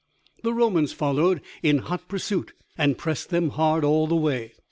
The Romans followed in hot pursuit, and pressed them hard all the way.